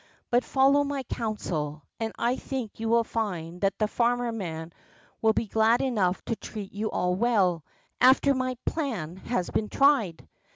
But follow my counsel, and I think you will find that the farmer man will be glad enough to treat you all well, after my plan has been tried.